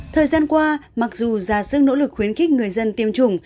thời gian qua mặc dù ra sức nỗ lực khuyến khích người dân tiêm chủng